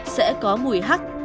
sẽ có mùi hắc